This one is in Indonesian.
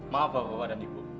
maaf bapak dan ibu